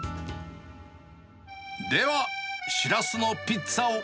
では、シラスのピッツァを。